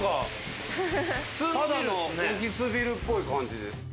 ただのオフィスビルっぽい感じ。